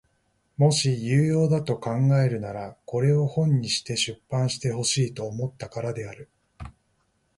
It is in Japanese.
もし有用だと考えるならこれを本にして出版してほしいと思ったからである。